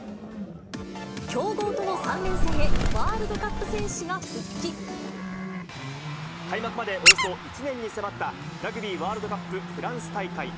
強豪との３連戦へ、ワールド開幕までおよそ１年に迫った、ラグビーワールドカップフランス大会。